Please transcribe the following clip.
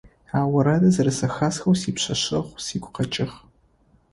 А орэдыр зэрэзэхэсхэу сипшъэшъэгъу сыгу къэкӀыгъ.